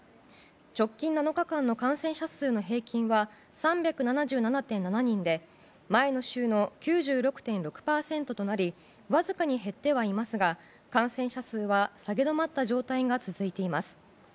直近７日間の感染者数の平均は３７７．７人で前の週の９６．６％となりわずかに減ってはいますが感染者数は下げ止まった状態が続いています。